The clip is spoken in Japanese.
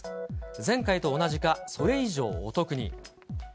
前回と同じか、それ以上お得に。